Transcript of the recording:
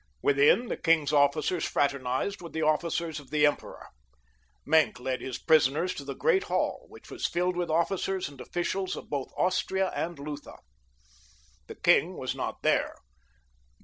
Within, the king's officers fraternized with the officers of the emperor. Maenck led his prisoners to the great hall which was filled with officers and officials of both Austria and Lutha. The king was not there.